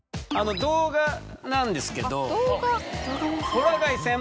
動画なんですけど。